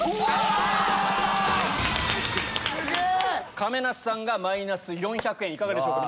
亀梨さんがマイナス４００円いかがでしょうか？